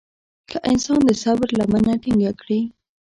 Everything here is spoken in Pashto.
که انسان د صبر لمنه ټينګه کړي.